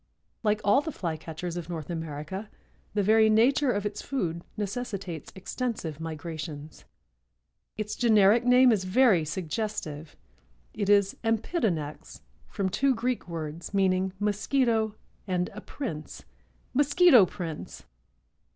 Like all the Flycatchers of North America, the very nature of its food necessitates extensive migrations. Its generic name is very suggestive. It is Empidonax, from two Greek words, meaning mosquito and a prince—Mosquito Prince!